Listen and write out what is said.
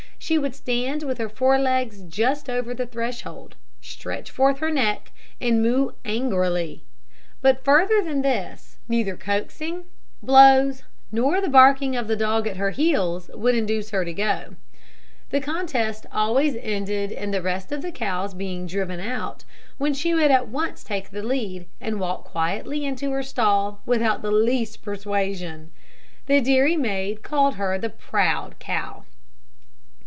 She would stand with her fore legs just over the threshold, stretch forth her neck, and moo angrily; but further than this, neither coaxing, blows, nor the barking of the dog at her heels, would induce her to go. The contest always ended in the rest of the cows being driven out; when she would at once take the lead, and walk quietly into her stall without the least persuasion. The dairy maid called her the Proud Cow.